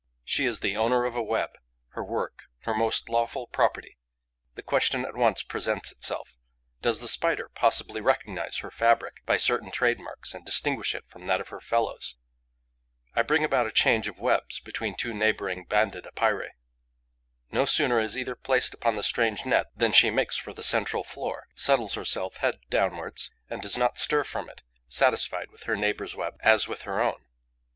She is the owner of a web, her work, her most lawful property. The question at once presents itself: Does the Spider possibly recognize her fabric by certain trademarks and distinguish it from that of her fellows? I bring about a change of webs between two neighbouring Banded Epeirae. No sooner is either placed upon the strange net than she makes for the central floor, settles herself head downwards and does not stir from it, satisfied with her neighbour's web as with her own.